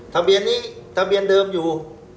ทะเบียนนี้ทะเบียนเดิมอยู่